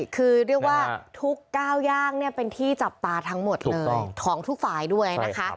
คือเรียกว่าทุกก้าวย่างเนี่ยเป็นที่จับตาทั้งหมดเลยของทุกฝ่ายด้วยนะคะ